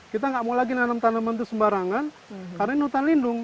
kita nggak mau lagi nanam tanaman itu sembarangan karena ini hutan lindung